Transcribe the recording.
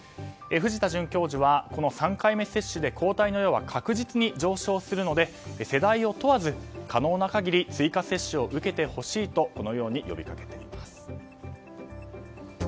藤田准教授はこの３回目接種で抗体の量は確実に上昇するので世代を問わず可能な限り追加接種を受けてほしいと呼びかけています。